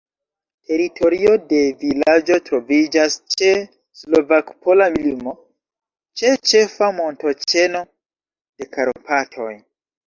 Teritorio de vilaĝo troviĝas ĉe slovak-pola limo, ĉe ĉefa montoĉeno de Karpatoj.